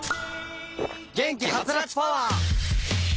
元気ハツラツパワー！